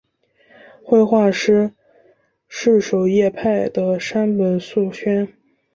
绘画师事狩野派的山本素轩。